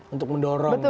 untuk mendorong gitu ya